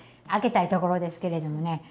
開けたいところですけれどもね